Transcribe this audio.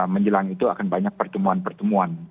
menjelang itu akan banyak pertemuan pertemuan